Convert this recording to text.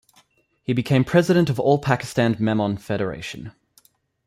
He became President of All Pakistan Memon Federation.